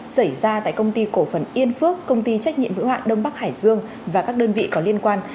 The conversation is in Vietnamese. xảy ra tại công ty cổ phần yên phước công ty trách nhiệm hữu hạn đông bắc hải dương và các đơn vị có liên quan